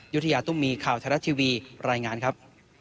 ยุฒิยาตุ้มมีย์ข่าวทะละทีวีรายงานครับ